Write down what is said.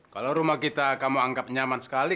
kalau rumah kita kamu anggap nyaman sekali